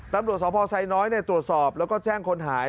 ตำรวจสพไซน้อยตรวจสอบแล้วก็แจ้งคนหาย